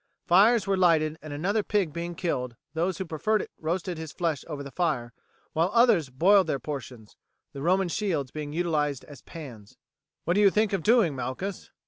Fires were lighted and another pig being killed those who preferred it roasted his flesh over the fire, while others boiled their portions, the Roman shields being utilized as pans. "What do you think of doing, Malchus?"